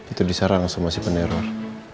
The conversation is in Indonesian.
itu disarang sama si peneror